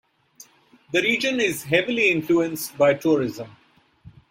The region is heavily influenced by tourism.